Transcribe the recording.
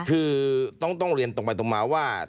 คือต้องเรียนตรงไปตรงมาว่า